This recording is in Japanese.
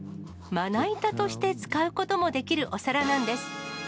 まな板として使うこともできるお皿なんです。